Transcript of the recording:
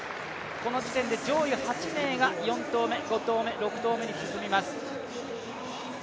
この時点で上位８名が４投目、５投目、６投目に進みます。